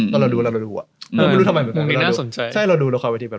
ตอนเราดูเราดูหัวไม่รู้ทำไม